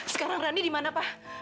sekarang rani di mana pak